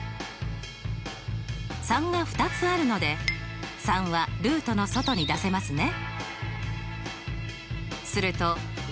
３が２つあるので３はルートの外に出せますね。